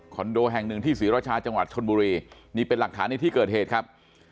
โดแห่งหนึ่งที่ศรีราชาจังหวัดชนบุรีนี่เป็นหลักฐานในที่เกิดเหตุครับ